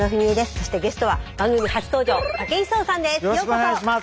そしてゲストは番組初登場武井壮さんです。